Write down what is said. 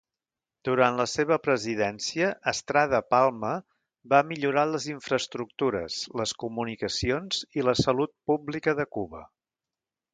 Durant la seva presidència, Estrada Palma va millorar les infraestructures, les comunicacions i la salut pública de Cuba.